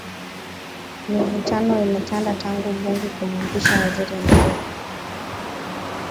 Mivutano imetanda tangu bunge kumwapisha Waziri Mkuu